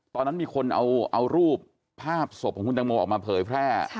ตอนนั้นมีคนเอารูปภาพศพของคุณตังโมออกมาเผยแพร่